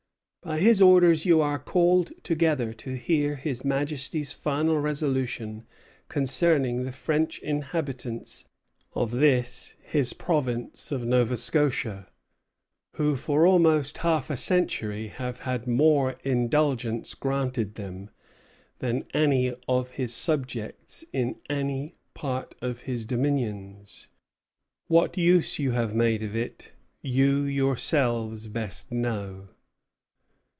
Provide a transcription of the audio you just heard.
By his orders you are called together to hear His Majesty's final resolution concerning the French inhabitants of this his province of Nova Scotia, who for almost half a century have had more indulgence granted them than any of his subjects in any part of his dominions. What use you have made of it you yourselves best know.